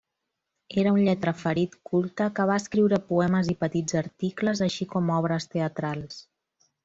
Era un lletraferit culte que va escriure poemes i petits articles, així com obres teatrals.